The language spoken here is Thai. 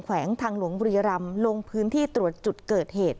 แวงทางหลวงบุรีรำลงพื้นที่ตรวจจุดเกิดเหตุ